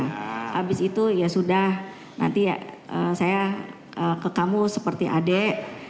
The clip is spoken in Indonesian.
habis itu ya sudah nanti saya ke kamu seperti adik